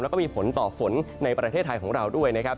แล้วก็มีผลต่อฝนในประเทศไทยของเราด้วยนะครับ